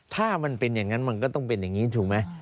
ถ้ามันเป็นอย่างนั้นมันก็ต้องเป็นอย่างนี้ถูกไหม